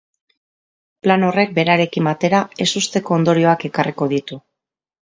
Plan horrek berarekin batera ezusteko ondorioak ekarriko ditu.